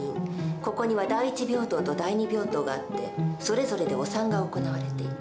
ここには第一病棟と第二病棟があってそれぞれでお産が行われていた。